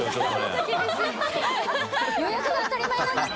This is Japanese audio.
若槻）予約が当たり前なんだね。